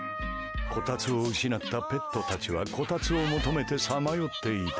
こたつを失ったペットたちはこたつを求めてさまよっていた。